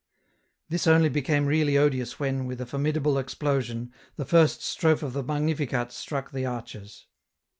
This only became really odious when, with a formidable explosion, the first strophe of the Magnificat struck the arches.